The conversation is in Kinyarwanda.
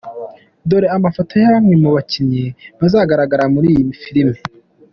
Dore amafoto ya bamwe mu bakinnyi bazagaragara muri iyi filime:.